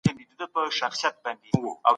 دفاع وزارت کلتوري تبادله نه دروي.